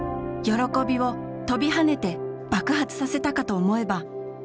喜びを跳びはねて爆発させたかと思えば。